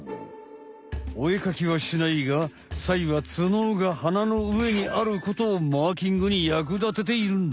お絵描きはしないがサイは角が鼻の上にあることをマーキングにやくだてているんだ！